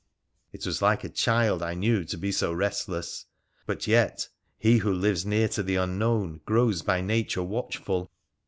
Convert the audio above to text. It was like a child, I knew, to be so restless ; but yet he who lives near to the unknown grows by nature watchful.